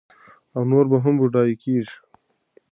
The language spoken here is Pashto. او نور به هم بډایه کېږي.